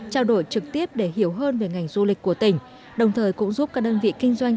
trao đổi trực tiếp để hiểu hơn về ngành du lịch của tỉnh đồng thời cũng giúp các đơn vị kinh doanh